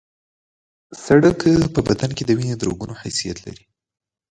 سړک په بدن کې د وینې د رګونو حیثیت لري